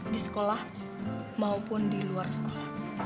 di sekolah maupun di luar sekolah